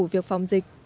việc phòng dịch